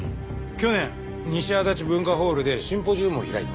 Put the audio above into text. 去年西足立文化ホールでシンポジウムを開いてます。